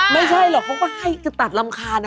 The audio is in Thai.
ไม่ใช่หรอกเขาก็ให้จะตัดรำคาญ